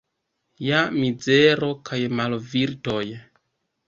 Ja mizero kaj malvirtoj.